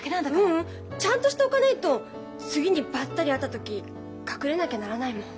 ううんちゃんとしておかないと次にバッタリ会った時隠れなきゃならないもん。